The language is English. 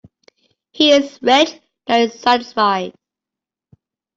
He is rich that is satisfied.